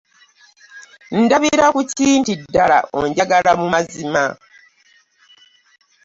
Ndabira ku ki nti ddala onjagala mu mazima?